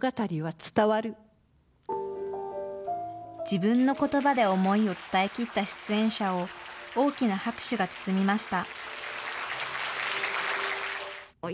自分のことばで思いを伝えきった出演者を、大きな拍手が包みました。